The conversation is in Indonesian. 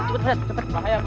cepet cepet bahaya